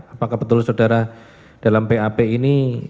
apakah betul saudara dalam bap ini